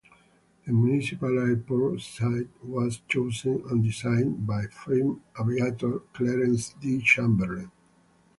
The municipal airport site was chosen and designed by famed aviator Clarence D. Chamberlin.